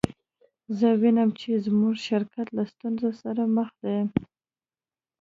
زه وینم چې زموږ شرکت له ستونزو سره مخ دی